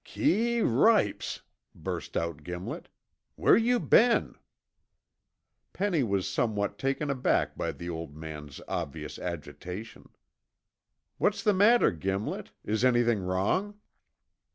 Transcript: "Keee ripes!" burst out Gimlet. "Where you been?" Penny was somewhat taken aback by the old man's obvious agitation. "What's the matter, Gimlet? Is anything wrong?"